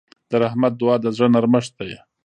د رحمت دعا د زړه نرمښت ده.